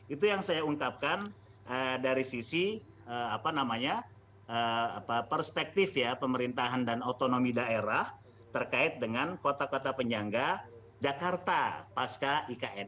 itu yang saya ungkapkan dari sisi perspektif ya pemerintahan dan otonomi daerah terkait dengan kota kota penyangga jakarta pasca ikn